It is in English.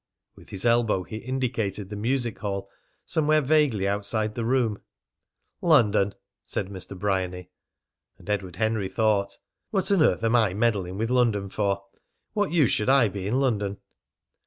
With his elbow he indicated the music hall, somewhere vaguely outside the room. "London," said Mr. Bryany. And Edward Henry thought: "What on earth am I meddling with London for? What use should I be in London?"